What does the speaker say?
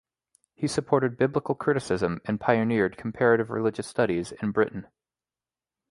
He supported biblical criticism and pioneered comparative Religious Studies in Britain.